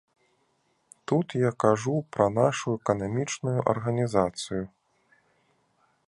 Тут я кажу пра нашу эканамічную арганізацыю.